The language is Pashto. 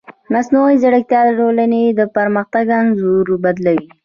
مصنوعي ځیرکتیا د ټولنې د پرمختګ انځور بدلوي.